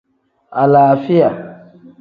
Alaafiya.